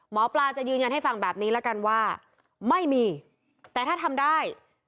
หมอปลาจะยืนยันให้ฟังแบบนี้แล้วกันว่าไม่มีแต่ถ้าทำได้